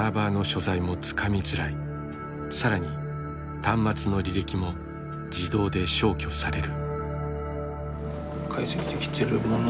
更に端末の履歴も自動で消去される。